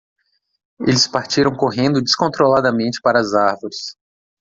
Eles partiram correndo descontroladamente para as árvores.